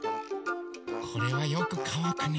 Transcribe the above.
これはよくかわくね。